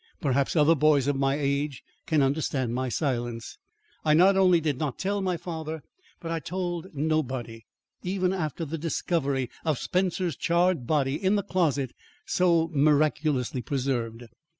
Perhaps other boys of my age can understand my silence. I not only did not tell my father, but I told nobody, even after the discovery of Spencer's charred body in the closet so miraculously preserved.